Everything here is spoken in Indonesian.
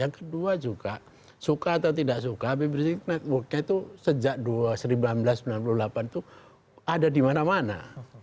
yang kedua juga suka atau tidak suka habib rizik networknya itu sejak seribu sembilan ratus sembilan puluh delapan itu ada di mana mana